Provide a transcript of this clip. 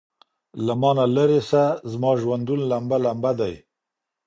له مانه ليري سه زما ژوندون لمبه ،لمبه دی.......